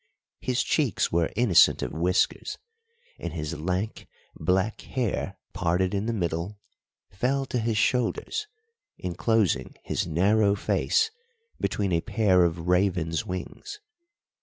His cheeks were innocent of whiskers, and his lank, black hair, parted in the middle, fell to his shoulders, enclosing his narrow face between a pair of raven's wings.